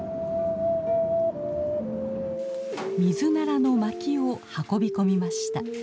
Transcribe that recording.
ミズナラの薪を運び込みました。